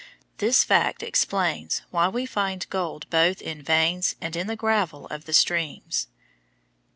This fact explains why we find gold both in veins and in the gravel of the streams.